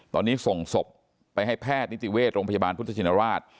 ตอนนี้ส่งศพไปให้แพทย์นิติเวชโรงพยาบาลพุทธชินราช